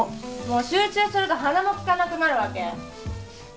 もう集中すると鼻もきかなくなるわけ？